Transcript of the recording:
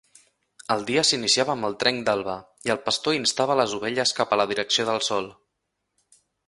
El dia s'iniciava amb el trenc d'alba, i el pastor instava les ovelles cap a la direcció del sol.